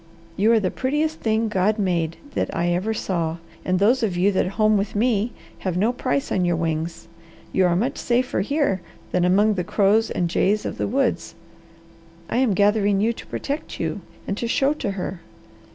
You are the prettiest thing God made that I ever saw, and those of you that home with me have no price on your wings. You are much safer here than among the crows and jays of the woods. I am gathering you to protect you, and to show to her.